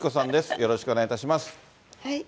よろしくお願いします。